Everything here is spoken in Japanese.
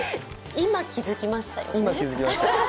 今、気づきましたよね？